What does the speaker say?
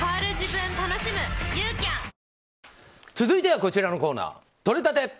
続いてはこちらのコーナーとれたて！